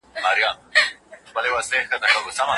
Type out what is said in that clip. د هویت بحران د ناسمې مطالعې پایله ده.